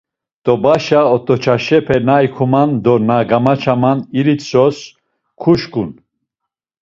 T̆obaşa ot̆oçaşepe na ikuman do na gamaçaman iritzos kuşǩun.